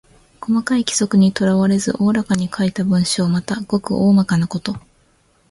細かい規則にとらわれず大らかに書いた文章。また、ごく大まかなこと。